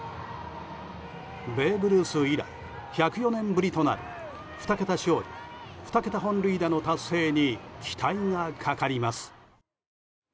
ベーブ・ルース以来１０４年ぶりとなる２桁勝利２桁本塁打の達成に期待がかかります。